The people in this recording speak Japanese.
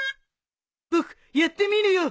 僕やってみるよ！